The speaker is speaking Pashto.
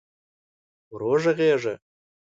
ورو ږغېږه !